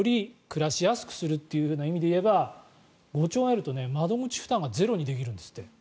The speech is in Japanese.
暮らしやすくするという意味で言えば５兆円あると窓口負担がゼロにできるんですって。